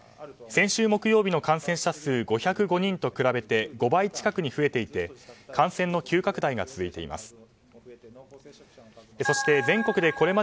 先週木曜日の感染者数５０５人と比べて５倍近くに増えていて感染の急拡大が続いています。